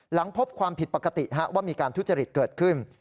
หลังพบความผิดปกติว่ามีการทุจริตเกิดขึ้น